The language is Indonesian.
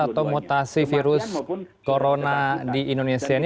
atau mutasi virus corona di indonesia ini